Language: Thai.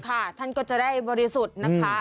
ท่านก็จะได้บริสุทธิ์นะคะ